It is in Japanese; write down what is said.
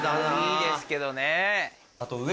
いいですけどね。